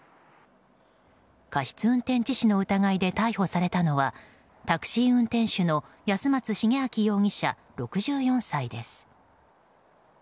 過失運転致死の疑いで逮捕されたのはタクシー運転手の安松滋明容疑者、６４歳です。